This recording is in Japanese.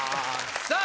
さあ